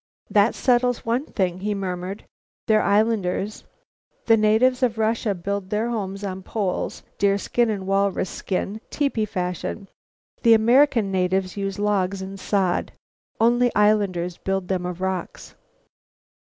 "That settles one thing," he murmured. "They're islanders. The natives of Russia build their homes of poles, deerskin and walrus skin, tepee fashion; the American natives use logs and sod. Only islanders build them of rocks."